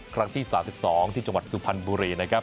ครั้งที่๓๒ที่จังหวัดสุพรรณบุรีนะครับ